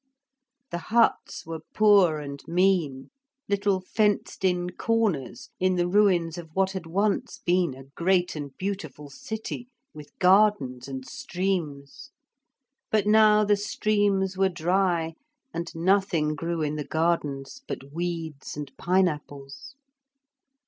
The huts were poor and mean, little fenced in corners in the ruins of what had once been a great and beautiful city, with gardens and streams; but now the streams were dry and nothing grew in the gardens but weeds and pine apples.